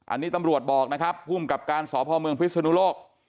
อันนี้ตำรวจบอกนะครับภูมิกับการสพเมืองพิศนุโลก